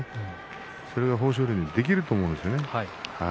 それが豊昇龍はできると思うんですね。